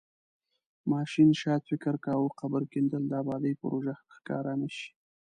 ماشین شاید فکر کاوه قبر کیندل د ابادۍ پروژه ښکاره نشي.